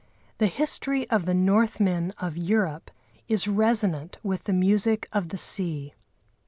The history of the Northmen of Europe is resonant with the music of the sea.